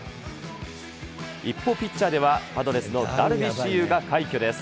一方、ピッチャーではパドレスのダルビッシュ有が快挙です。